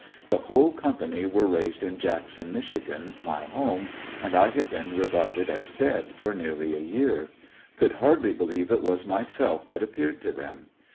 The whole company were raised in Jackson, Mich., my home, and I had been regarded as dead for nearly a year. Could hardly believe it was myself that ap peared to them.